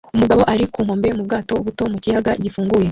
Umugabo ari ku nkombe mu bwato buto mu kiyaga gifunguye